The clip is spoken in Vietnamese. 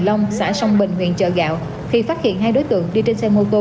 long xã sông bình huyện chợ gạo thì phát hiện hai đối tượng đi trên xe mô tô